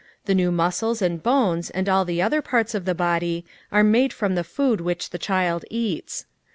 The nev/ muscles and bones and all the other parts of the body are made from the food which the child eats.